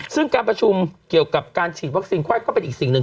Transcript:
ซึ่งการประชุมเกี่ยวกับการฉีดวัคซีนไข้ก็เป็นอีกสิ่งหนึ่ง